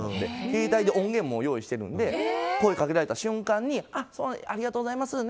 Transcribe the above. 携帯で音源も用意してるので声掛けられた瞬間にありがとうございます